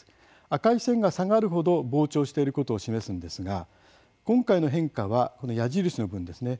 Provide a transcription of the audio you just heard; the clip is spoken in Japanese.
赤い線が下がるほど膨張していることを示すんですが今回の変化はこの矢印の分ですね